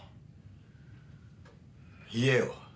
言えよ。